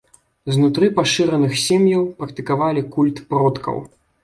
Знутры пашыраных сем'яў практыкавалі культ продкаў.